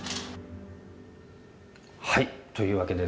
はいというわけでですね